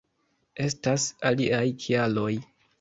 Estas aliaj kialoj.